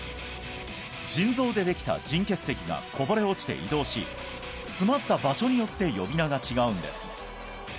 腎臓でできた腎結石がこぼれ落ちて移動し詰まった場所によって呼び名が違うんです